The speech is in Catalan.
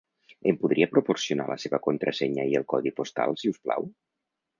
Em podria proporcionar la seva contrasenya i el codi postal, si us plau?